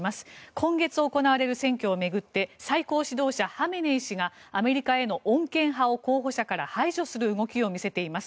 今月行われる選挙を巡って最高指導者ハメネイ師がアメリカへの穏健派を候補者から排除する動きを見せています。